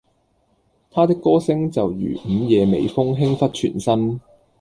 他的歌聲就如午夜微風輕拂全身